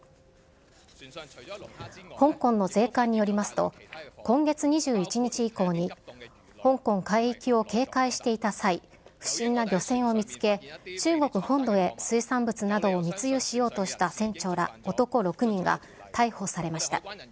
香港の税関によりますと、今月２１日以降に香港海域を警戒していた際、不審な漁船を見つけ、中国本土へ水産物などを密輸しようとした船長ら、男６人が逮捕されました。